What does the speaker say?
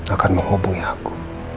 akan menghubungi aku